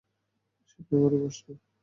সেটা আমারও প্রশ্ন।